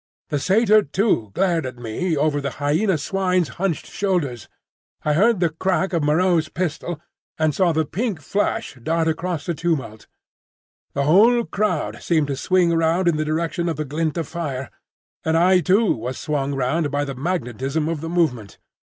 The Satyr, too, glared at me over the Hyena swine's hunched shoulders. I heard the crack of Moreau's pistol, and saw the pink flash dart across the tumult. The whole crowd seemed to swing round in the direction of the glint of fire, and I too was swung round by the magnetism of the movement.